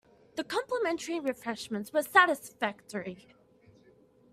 The complimentary refreshments were satisfactory.